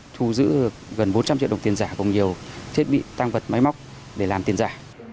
thu giữ gần bốn trăm linh triệu đồng tiền giả cùng nhiều thiết bị tăng vật máy móc để làm tiền giả